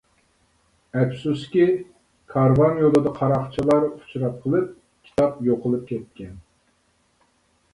ئەپسۇسكى، كارۋان يولىدا قاراقچىلارغا ئۇچراپ قېلىپ، كىتاب يوقىلىپ كەتكەن.